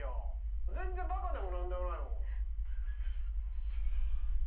全然バカでも何でもないもん。